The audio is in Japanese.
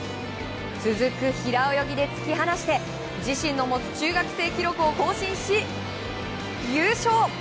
続く平泳ぎで突き放して自身の持つ中学生記録を更新し優勝。